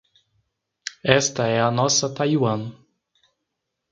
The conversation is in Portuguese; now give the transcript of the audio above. Esta é a nossa Taiwan